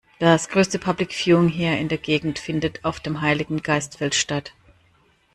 Das größte Public Viewing hier in der Gegend findet auf dem Heiligengeistfeld statt.